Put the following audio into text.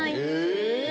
え！